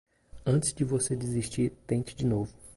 Antes de você desistir, tente de novo